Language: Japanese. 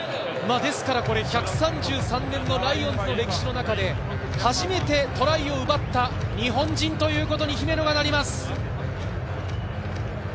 ですから、１３３年のライオンズの歴史の中で、初めてトライを奪った日本人ということに姫野がなります。